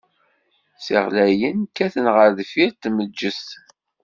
Ssiɣlayen, kkaten ɣer deffir tmejjet.